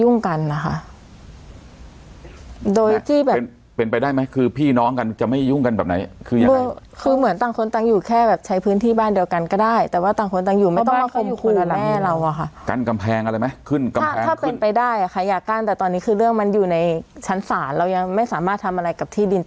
โดยที่แบบเป็นเป็นไปได้ไหมคือพี่น้องกันจะไม่ยุ่งกันแบบไหนคือยังไงคือเหมือนต่างคนต่างอยู่แค่แบบใช้พื้นที่บ้านเดียวกันก็ได้แต่ว่าต่างคนต่างอยู่ไม่ต้องมาคมคุณอะไรแม่เราอ่ะค่ะกั้นกำแพงอะไรไหมขึ้นกำแพงถ้าเป็นไปได้อ่ะค่ะอย่ากั้นแต่ตอนนี้คือเรื่องมันอยู่ในชั้นศาลเรายังไม่สามารถทำอะไรกับที่ดิน